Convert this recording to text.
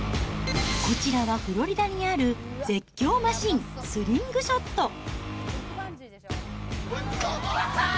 こちらはフロリダにある絶叫マシン、スリングショット。